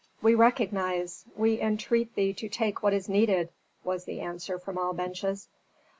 "We recognize! We entreat thee to take what is needed!" was the answer from all benches.